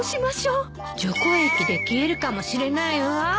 除光液で消えるかもしれないわ。